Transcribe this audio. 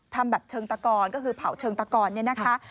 ทำแบบเชิงตะกอนก็คือเผาเชิงตะกอนเนี่ยนะคะ